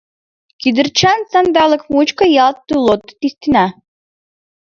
Кӱдырчан сандалык мучко — ялт тулото тистына.